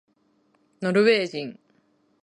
ノルウェー人